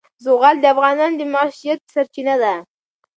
زغال د افغانانو د معیشت سرچینه ده.